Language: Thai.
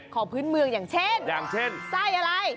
ของพื้นเมืองอย่างเช่นใส่อะไร